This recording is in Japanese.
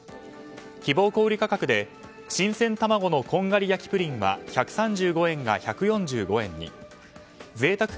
希望小売価格で新鮮卵のこんがり焼プリンは１３５円が１４５円にぜいたく